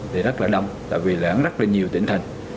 vì rất là đông vì rất là nhiều tỉnh thành